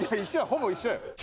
ほぼ一緒よ。